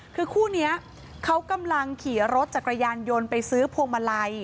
คือคู่นี้เขากำลังขี่รถจักรยานยนต์ไปซื้อพวงมาลัย